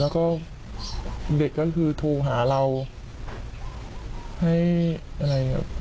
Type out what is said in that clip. แล้วก็เด็กก็คือโทรหาเรา